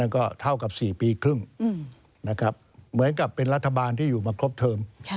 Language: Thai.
ก็เท่ากับ๔ปีครึ่งนะครับเหมือนกับเป็นรัฐบาลที่อยู่มาครบเทิม